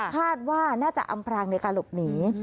คาดว่าน่าจะอำพรางในการหลบหนี